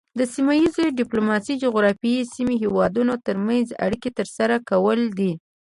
سیمه ایز ډیپلوماسي د جغرافیایي سیمې هیوادونو ترمنځ اړیکې ترسره کول دي